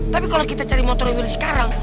tapi kalo kita cari motor wheel sekarang